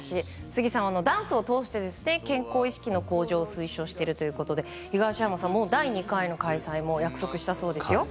杉さん、ダンスを通して健康意識の向上を推奨しているということで東山さん、第２回の開催も約束したそうですよ。